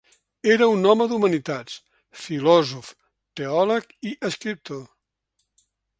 Era un home d'humanitats: filòsof, teòleg i escriptor.